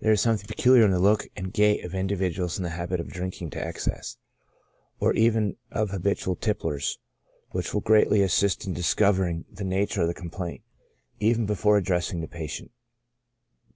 There is something peculiar in the look and gait of indi viduals in the habit of drinking to excess, or even of habit ual tipplers, which will greatly assist in discovering the 26 CHRONIC ALCOHOLISM. nature of the complaint, even before addressing the patient.